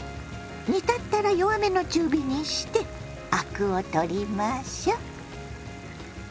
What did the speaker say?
煮立ったら弱めの中火にしてアクを取りましょ。